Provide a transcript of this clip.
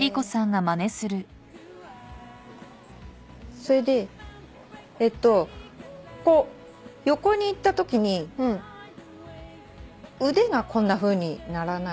それでえっとこう横にいったときに腕がこんなふうにならないように。